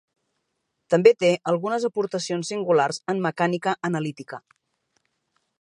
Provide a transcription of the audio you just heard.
També té algunes aportacions singulars en mecànica analítica.